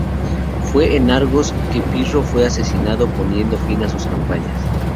Fue en Argos que Pirro fue asesinado, poniendo fin a sus campañas.